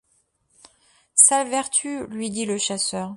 Sælvertu, » lui dit le chasseur.